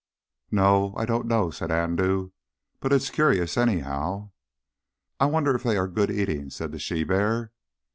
"No I don't know," said Andoo. "But it's curious, anyhow." "I wonder if they are good eating?" said the she bear.